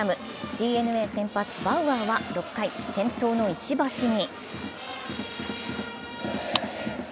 ＤｅＮＡ先発バウアーは６回、先頭の石橋に。